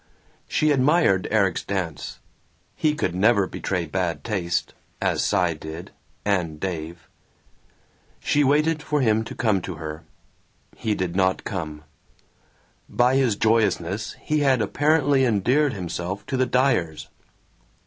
She admired Erik's dance; he could never betray bad taste, as Cy did, and Dave. She waited for him to come to her. He did not come. By his joyousness he had apparently endeared himself to the Dyers.